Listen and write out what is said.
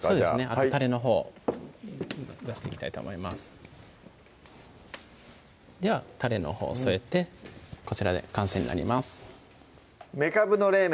あとたれのほう出していきたいと思いますではたれのほう添えてこちらで完成になります「めかぶの冷麺」